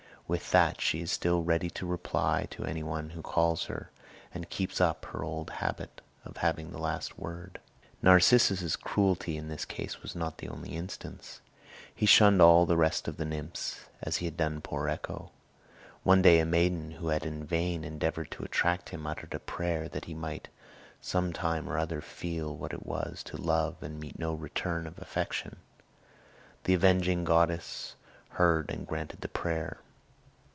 With that she is still ready to reply to any one who calls her, and keeps up her old habit of having the last word. Narcissus's cruelty in this case was not the only instance. He shunned all the rest of the nymphs, as he had done poor Echo. One day a maiden who had in vain endeavored to attract him uttered a prayer that he might some time or other feel what it was to love and meet no return of affection. The avenging goddess heard and granted the prayer.